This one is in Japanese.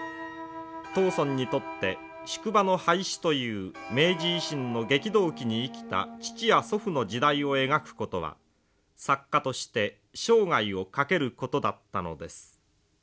藤村にとって宿場の廃止という明治維新の激動期に生きた父や祖父の時代を描くことは作家として生涯をかけることだったのです。